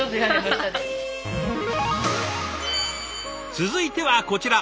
続いてはこちら！